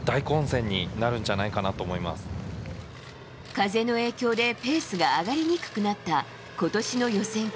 風の影響でペースが上がりにくくなった今年の予選会。